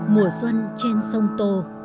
mùa xuân trên sông tô